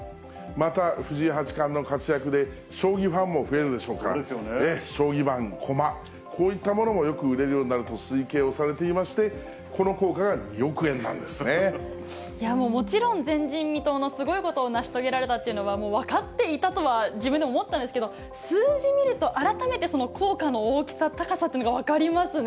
また、藤井八冠の活躍で、将棋ファンも増えるでしょうから、将棋盤、駒、こういったものもよく売れるようになると推計をされていまして、もちろん前人未到のすごいことを成し遂げられたというのは、分かっていたとは自分でも思ったんですけど、数字見ると、改めてその効果の大きさ、高さというのが分かりますね。